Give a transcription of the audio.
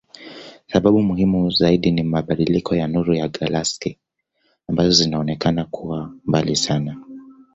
Sababu muhimu zaidi ni mabadiliko ya nuru ya galaksi ambazo zinaonekana kuwa mbali sana.